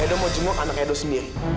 edo mau jemok anak edo sendiri